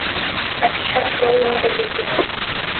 А сейчас слово имеет Аргентина.